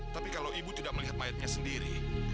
tapi kalau ibu tidak melihat mayatnya sendiri